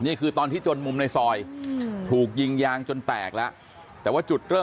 นี่คือตอนที่จนมุมในซอยถูกยิงยางจนแตกแล้ว